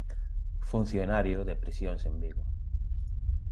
Funcionario de prisións en Vigo.